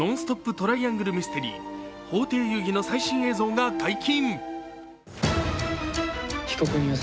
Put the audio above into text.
・トライアングル・ミステリー「法廷遊戯」の最新映像が解禁。